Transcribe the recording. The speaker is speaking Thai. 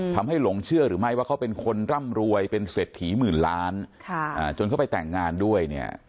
หลงเชื่อหรือไม่ว่าเขาเป็นคนร่ำรวยเป็นเศรษฐีหมื่นล้านจนเขาไปแต่งงานด้วยเนี่ย